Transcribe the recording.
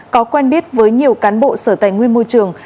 có quen biết với nhiều cán bộ sở tài nguyên môi trường